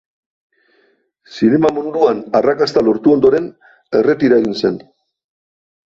Zinema munduan arrakasta lortu ondoren, erretira egin zen.